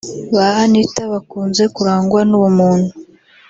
Ba Anitabakunze kurangwa n’ubumuntu